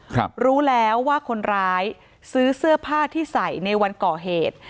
ครับรู้แล้วว่าคนร้ายซื้อเสื้อผ้าที่ใส่ในวันก่อเหตุ